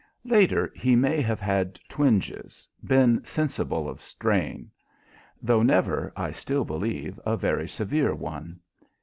Later he may have had twinges, been sensible of strain; though never, I still believe, a very severe one.